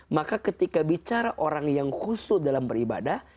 maka ketika bicara orang yang khusyut dalam beribadah